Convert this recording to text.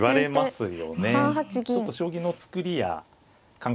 ちょっと将棋の作りや感覚